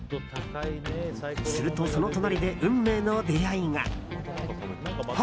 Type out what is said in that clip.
すると、その隣で運命の出会いが。